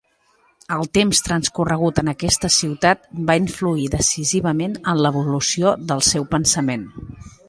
El temps transcorregut en aquesta ciutat va influir decisivament en l'evolució del seu pensament.